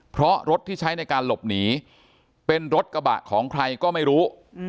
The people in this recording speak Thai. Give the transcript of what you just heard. เพราะรถที่ใช้ในการหลบหนีเป็นรถกระบะของใครก็ไม่รู้